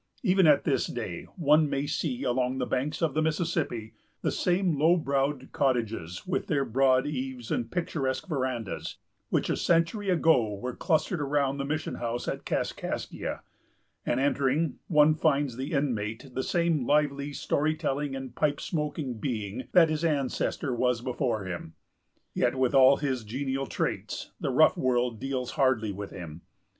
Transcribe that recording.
Even at this day, one may see, along the banks of the Mississippi, the same low browed cottages, with their broad eaves and picturesque verandas, which, a century ago, were clustered around the mission house at Kaskaskia; and, entering, one finds the inmate the same lively, story telling, and pipe smoking being that his ancestor was before him. Yet, with all his genial traits, the rough world deals hardly with him.